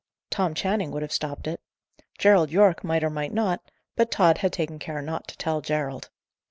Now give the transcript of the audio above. Tom Channing would have stopped it. Gerald Yorke might or might not; but Tod had taken care not to tell Gerald.